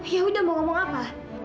ya udah mau ngomong apa